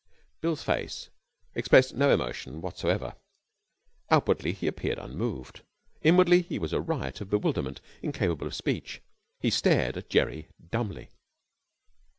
Bill's face expressed no emotion whatsoever. Outwardly he appeared unmoved. Inwardly he was a riot of bewilderment, incapable of speech. He stared at Jerry dumbly.